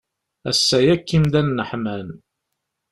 Ass-a yakk imdanen ḥman.